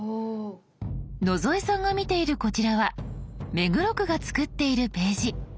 野添さんが見ているこちらは目黒区が作っているページ。